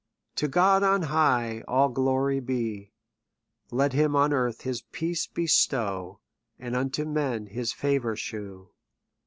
To God on high all glory be ! Let him on earth his peace bestow. And unto men his favour shew.